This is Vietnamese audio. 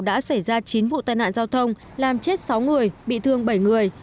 đã xảy ra chín vụ tai nạn giao thông làm chết sáu người bị thương bảy người